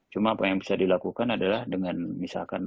cuma apa yang bisa dilakukan adalah dengan misalkan